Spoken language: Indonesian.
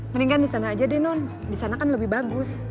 mendingan di sana aja deh non di sana kan lebih bagus